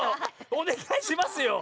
おねがいしますよ！